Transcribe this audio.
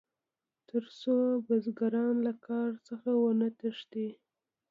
تر څو بزګران له کار څخه ونه تښتي.